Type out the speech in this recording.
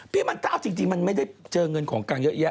มันก็เอาจริงมันไม่ได้เจอเงินของกลางเยอะแยะ